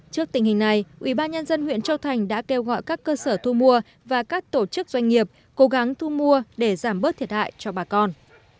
trước tình hình này ubnd huyện châu thành đã kêu gọi các cơ sở thu mua và các tổ chức doanh nghiệp cố gắng thu mua để giảm bớt thiệt hại cho bà con